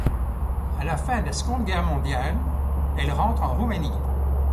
À la fin de la Seconde Guerre mondiale, elle rentre en Roumanie.